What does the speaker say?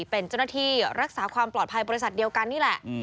เป็นเจ้าหน้าที่รักษาความปลอดภัยบริษัทเดียวกันนี่แหละ